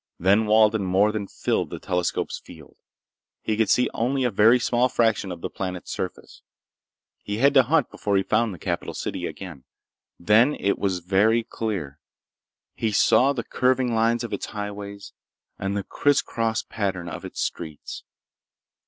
Then Walden more than filled the telescope's field. He could see only a very small fraction of the planet's surface. He had to hunt before he found the capital city again. Then it was very clear. He saw the curving lines of its highways and the criss cross pattern of its streets.